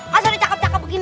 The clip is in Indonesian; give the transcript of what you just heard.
maksudnya cakep cakep begini